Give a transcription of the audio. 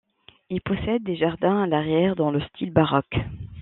Ils possèdent des jardins à l'arrière, dans le style baroque.